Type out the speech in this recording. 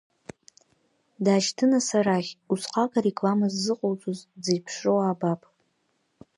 Даашьҭы нас арахь, усҟак ареклама ззыҟоуҵаз, дзеиԥшроу аабап!